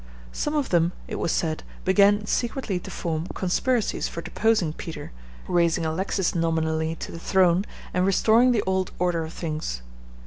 Some of them, it was said, began secretly to form conspiracies for deposing Peter, raising Alexis nominally to the throne, and restoring the old order of things.